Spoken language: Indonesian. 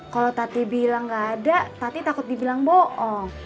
kalau tati bilang nggak ada tati takut dibilang bohong